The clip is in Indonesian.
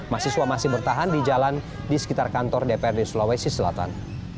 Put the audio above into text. mahasiswa masih bertahan di jalan di sekitar kantor dprd sulawesi selatan